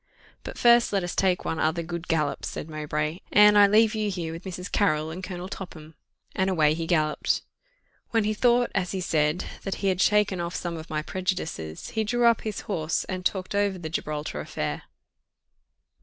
"But first let us take one other good gallop," said Mowbray; "Anne, I leave you here with Mrs. Carrill and Colonel Topham;" and away he galloped. When he thought, as he said, that he had shaken off some of my prejudices, he drew up his horse, and talked over the Gibraltar affair.